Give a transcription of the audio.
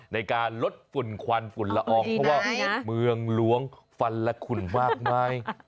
ในการลดฝุ่นควันฝุ่นละอองเพราะว่าเมืองหลวงฟันและขุ่นมากมาย